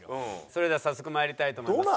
それでは早速まいりたいと思います。